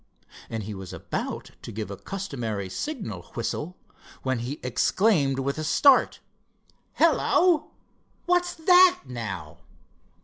and he was about to give a customary signal whistle when he exclaimed with a start "Hello! what's that, now?"